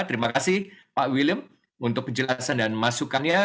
terima kasih pak william untuk penjelasan dan masukan ya